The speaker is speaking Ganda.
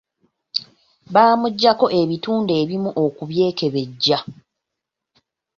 Bamuggyako ebitundu ebimu okubyekebejja.